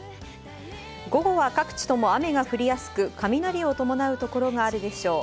午後は各地とも雨が降りやすく、雷を伴う所があるでしょう。